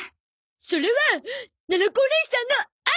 それはななこおねいさんの愛です！